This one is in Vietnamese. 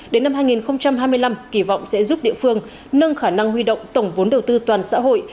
đến năm hai nghìn hai mươi năm kỳ vọng sẽ giúp địa phương nâng khả năng huy động tổng vốn đầu tư toàn xã hội